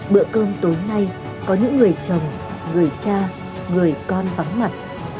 bữa cơm tối nay có những người chồng người cha người con vắng mặt